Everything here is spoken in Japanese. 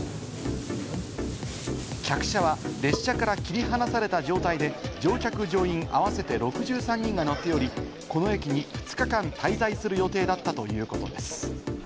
客車は列車から切り離された状態で、乗客乗員合わせて６３人が乗っており、この駅に２日間滞在する予定だったということです。